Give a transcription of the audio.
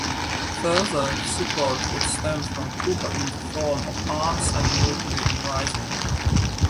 Further support would stem from Cuba in the form of arms and military advising.